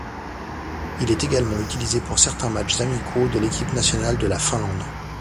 Il est également utilisé pour certains matchs amicaux de l'équipe nationale de la Finlande.